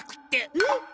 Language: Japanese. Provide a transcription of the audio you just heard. えっ！？